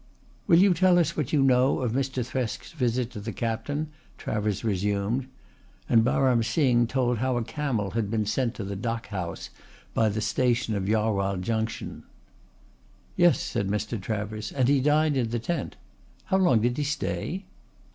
"Will you tell us what you know of Mr. Thresk's visit to the Captain?" Travers resumed, and Baram Singh told how a camel had been sent to the dâk house by the station of Jarwhal Junction. "Yes," said Mr. Travers, "and he dined in the tent. How long did he stay?"